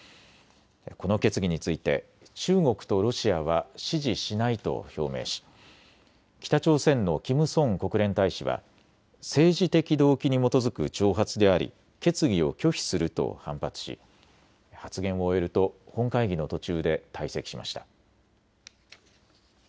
この決議について中国とロシアは支持しないと表明し北朝鮮のキム・ソン国連大使は政治的動機に基づく挑発であり決議を拒否すると反発し発言を終えると本会議の途中で退席しました。